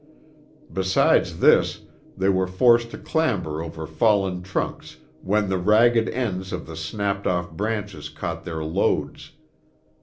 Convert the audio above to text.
Besides this, they were forced to clamber over fallen trunks, when the ragged ends of the snapped off branches caught their loads.